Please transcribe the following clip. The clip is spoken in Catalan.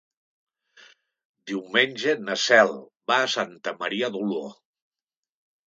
Diumenge na Cel va a Santa Maria d'Oló.